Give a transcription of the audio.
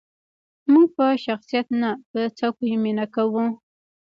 موږ په شخصیت نه، په څوکې مینه کوو.